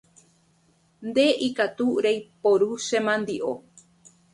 Nde ikatu reiporu che mandi’o.